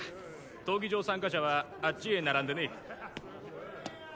闘技場参加者はあっちへ並んでね。